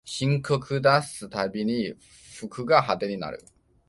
新曲出すたびに服が派手になる